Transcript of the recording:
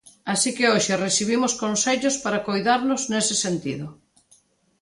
Así que hoxe recibimos consellos para coidarnos nese sentido.